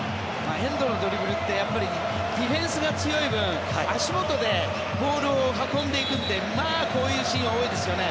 遠藤のドリブルってやっぱりディフェンスが強い分足元でボールを運んでいくのでこういうシーンは多いですよね。